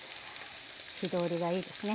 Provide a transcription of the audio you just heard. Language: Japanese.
火通りがいいですね。